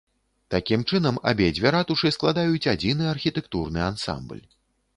Такім чынам, абедзве ратушы складаюць адзіны архітэктурны ансамбль.